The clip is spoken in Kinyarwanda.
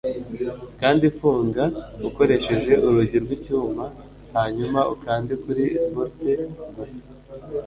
Kandi funga ukoresheje urugi rwicyuma hanyuma ukande kuri bolt gusa